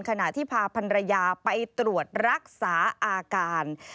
ขณะที่พาพันรยาไปตรวจรักษาอาการ